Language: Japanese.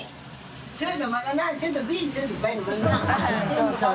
そうそう。